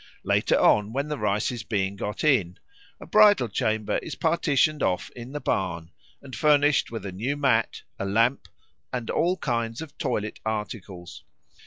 Later on, when the rice is being got in, a bridal chamber is partitioned off in the barn, and furnished with a new mat, a lamp, and all kinds of toilet articles.